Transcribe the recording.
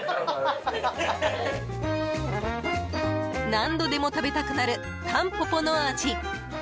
何度でも食べたくなるたんぽぽの味。